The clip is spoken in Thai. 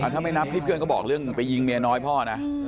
ถ้าไม่นับที่เพื่อนก็บอกเรื่องไปยิงเมียน้อยพ่อนะ